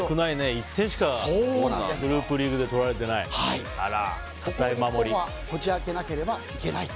１点しかグループリーグでとられていないんだ。